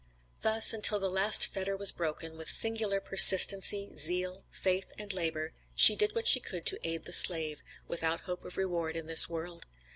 Thus, until the last fetter was broken, with singular persistency, zeal, faith and labor, she did what she could to aid the slave, without hope of reward in this world.